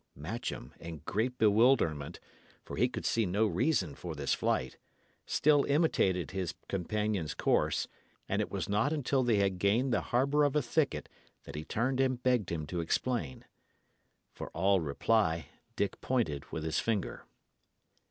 Matcham, in great bewilderment, for he could see no reason for this flight, still imitated his companion's course; and it was not until they had gained the harbour of a thicket that he turned and begged him to explain. For all reply, Dick pointed with his finger.